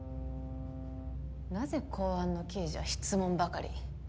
なぜ公安の刑事は質問ばかり。